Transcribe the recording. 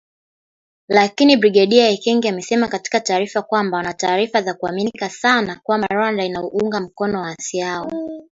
Lakini Brigedia Ekenge amesema katika taarifa kwamba “wana taarifa za kuaminika sana kwamba Rwanda inaunga mkono waasi hao